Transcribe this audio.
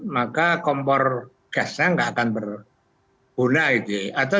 maka kompor gasnya tidak akan berguna gitu ya